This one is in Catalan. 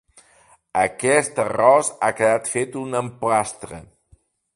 Aquest arròs ha quedat fet un emplastre.